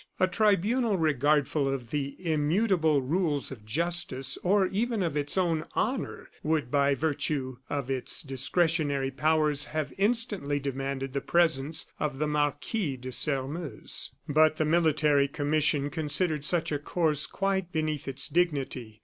A tribunal regardful of the immutable rules of justice, or even of its own honor, would, by virtue of its discretionary powers, have instantly demanded the presence of the Marquis de Sairmeuse. But the military commission considered such a course quite beneath its dignity.